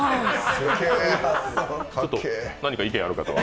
ちょっと何か意見ある方は？